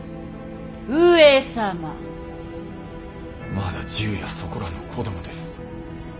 まだ１０やそこらの子どもです。